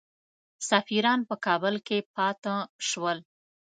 سفیران په کابل کې پاته شول.